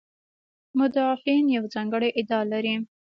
مدافعین یوه ځانګړې ادعا لري.